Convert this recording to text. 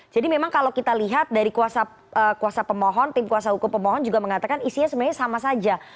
jadi memang kalau kita lihat dari kuasa pemohon tim kuasa hukum pemohon juga mengatakan isinya sebenarnya sama saja